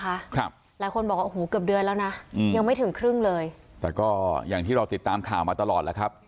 ครับหลายคนบอกว่าโอ้โหเกือบเดือนแล้วนะอืมยังไม่ถึงครึ่งเลยแต่ก็อย่างที่เราติดตามข่าวมาตลอดแล้วครับ